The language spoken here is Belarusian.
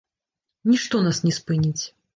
Нішто нас не спыніць!